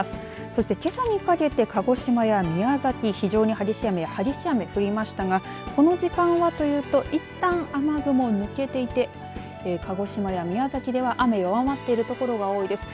そして、けさにかけて鹿児島や宮崎、非常に激しい雨降りましたがこの時間はというといったん雨雲、抜けていて鹿児島や宮崎では雨、弱まっている所が多いです。